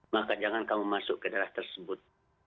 maka jangan kamu masuk ke daerah tersebut